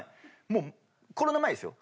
もうコロナ前ですよ。